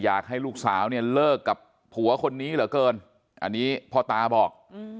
อยากให้ลูกสาวเนี่ยเลิกกับผัวคนนี้เหลือเกินอันนี้พ่อตาบอก